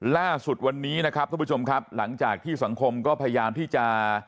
ล่าสุดวันนี้นะครับทุกผู้ชมครับหลังจากที่สังคมก็พยายามที่จะ